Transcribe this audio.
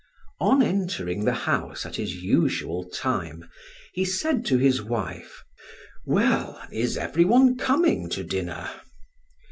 On entering the house at his usual time, he said to his wife: "Well, is everyone coming to dinner?"